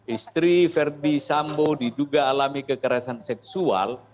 istri verdi sambo diduga alami kekerasan seksual